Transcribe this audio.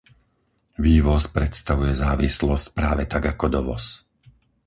Vývoz predstavuje závislosť práve tak ako dovoz.